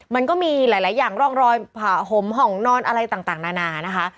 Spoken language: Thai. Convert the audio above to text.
มันก็มีหลายอย่างร่องรอยผ่าห่มห้องนอนอะไรต่างนานานะคะ